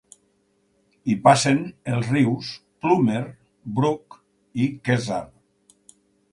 Hi passen els rius Plummer Brook i Kezar.